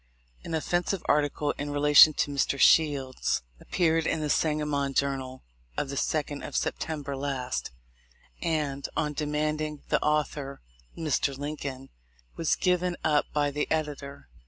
An offensive article in relation to Mr. Shields appeared in the Sangamon Journal of the 2d of September last; and, on demanding the author, Mr. Lincoln was given up by the editor.